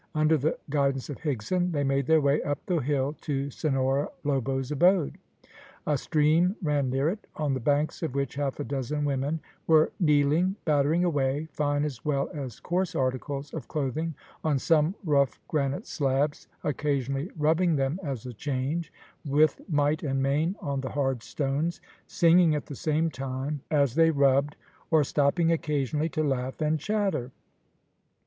Under the guidance of Higson they made their way up the hill to Senhora Lobo's abode. A stream ran near it, on the banks of which half a dozen women were kneeling battering away, fine as well as coarse articles of clothing on some rough granite slabs, occasionally rubbing them as a change, with might and main on the hard stones, singing at the same time as they rubbed, or stopping occasionally to laugh and chatter.